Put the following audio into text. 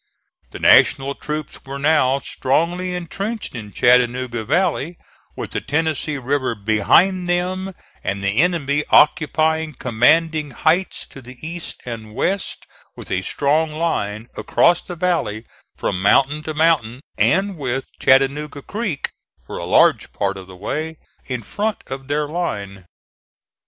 The National troops were now strongly intrenched in Chattanooga Valley, with the Tennessee River behind them and the enemy occupying commanding heights to the east and west, with a strong line across the valley from mountain to mountain, and with Chattanooga Creek, for a large part of the way, in front of their line.